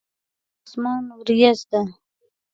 اسمان وريځ دی.